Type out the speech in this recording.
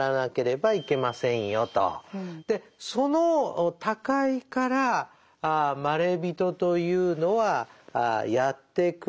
でその他界からまれびとというのはやって来るんですよ。